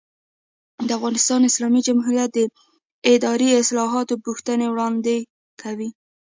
د افغانستان اسلامي جمهوریت د اداري اصلاحاتو پوښتنې وړاندې کوي.